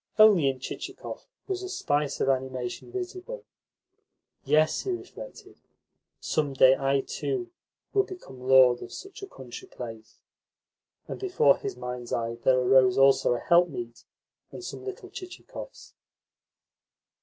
Only in Chichikov was a spice of animation visible. "Yes," he reflected, "some day I, too, will become lord of such a country place." And before his mind's eye there arose also a helpmeet and some little Chichikovs.